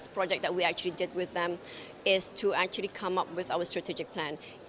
proyek pertama yang kami lakukan adalah untuk mencapai strategi kami